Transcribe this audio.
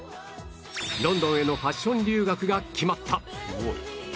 ロンドンへのファッション留学が決まった